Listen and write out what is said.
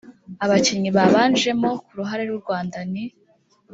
Abakinnyi babanjemo ku ruhande rw’u Rwanda ni